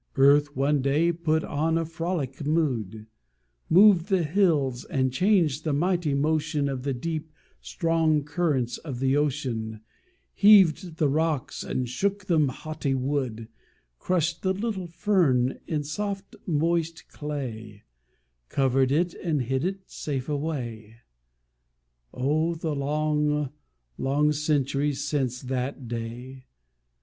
Earth one day put on a frolic mood, Moved the hills and changed the mighty motion Of the deep, strong currents of the ocean, Heaved the rocks, and shook the haughty wood, Crushed the little fern in soft moist clay, Covered it and hid it safe away. Oh, the long, long centuries since that day!